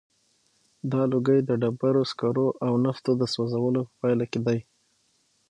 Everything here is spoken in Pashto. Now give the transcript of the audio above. دا لوګی د ډبرو سکرو او نفتو د سوځولو په پایله کې دی.